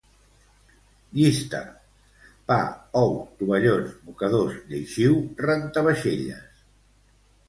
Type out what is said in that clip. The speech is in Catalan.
Llista: pa, ous, tovallons, mocadors, lleixiu, rentavaixelles